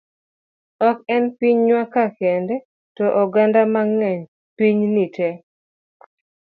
Ok en pinywa ka kende to oganda mang'eny piny ni tee